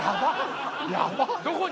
どこに？